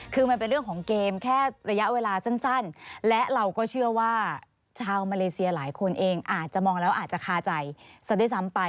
คือมันเป็นเรื่องของเกมแค่ระยะเวลาสั้นและเราก็เชื่อว่าชาวมาเลเซียหลายคนเองอาจจะมองแล้วอาจจะคาใจซะด้วยซ้ำไป